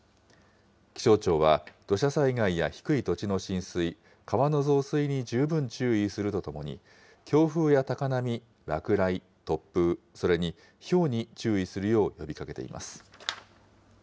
気象庁は土砂災害や低い土地の浸水、川の増水に十分注意するとともに、強風や高波、落雷、突風、それにひょうに注意するよう呼びかけています。